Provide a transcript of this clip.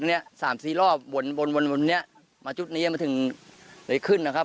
เนี้ยสามสี่รอบวนวนเนี้ยมาจุดนี้มันถึงเลยขึ้นนะครับ